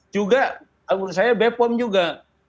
juga menurut saya bepom juga